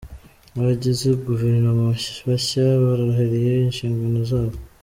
Abagize guverinoma bashya barahiriye inshingano zabo.